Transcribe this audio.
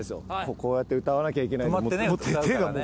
こうやって歌わなきゃいけないんでもう。